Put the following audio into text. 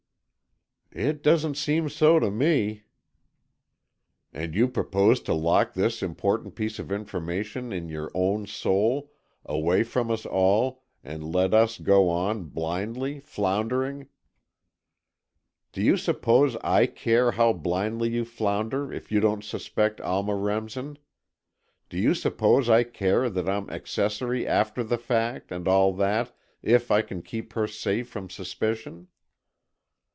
"It doesn't seem so to me." "And you propose to lock this important piece of information in your own soul, away from us all, and let us go on, blindly floundering——" "Do you suppose I care how blindly you flounder if you don't suspect Alma Remsen? Do you suppose I care that I'm accessory after the fact, and all that, if I can keep her safe from suspicion?"